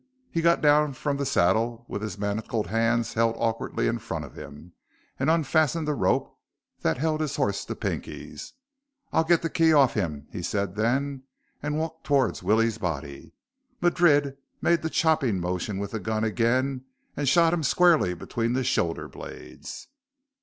He got down from the saddle with his manacles hands held awkwardly in front of him and unfastened the rope that held his horse to Pinky's. "I'll get the key off him," he said then and walked toward Willie's body. Madrid made the chopping motion with the gun again and shot him squarely between the shoulder blades.